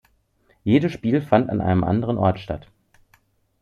Jedes Spiel fand an einem anderen Ort statt.